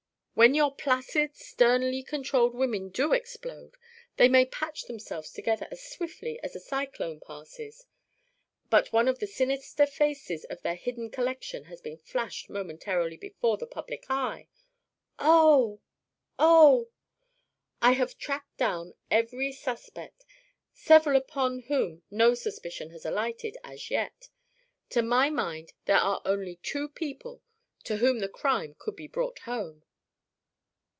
When your placid sternly controlled women do explode, they may patch themselves together as swiftly as a cyclone passes, but one of the sinister faces of their hidden collection has been flashed momentarily before the public eye " "Oh! Oh!" "I have tracked down every suspect, several upon whom no suspicion has alighted as yet. To my mind there are only two people to whom the crime could be brought home."